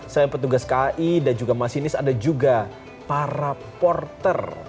selain petugas kai dan juga masinis ada juga para porter